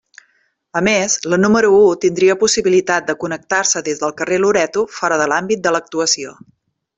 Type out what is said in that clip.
A més, la número u tindria possibilitat de connectar-se des del carrer Loreto, fora de l'àmbit de l'actuació.